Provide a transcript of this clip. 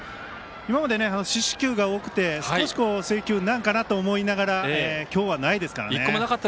今まで四死球が多くて制球が多いなと思いながら今日はないですからね。